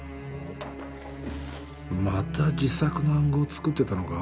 また自作の暗号作ってたのか。